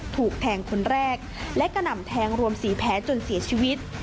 ถูกแทงคนแรกและกระหน่ำแทงรวม๔แผลจนเสียชีวิต